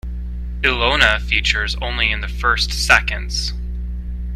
Ilona features only in the first seconds.